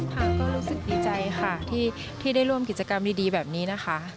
ค่ะก็รู้สึกดีใจค่ะที่ได้ร่วมกิจกรรมดีแบบนี้นะคะ